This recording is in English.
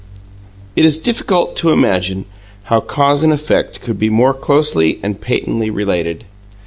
It is difficult to imagine how cause and effect could be more closely and patently related.